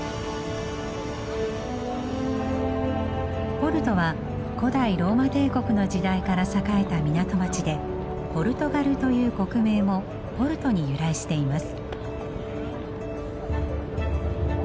ポルトは古代ローマ帝国の時代から栄えた港町でポルトガルという国名もポルトに由来しています。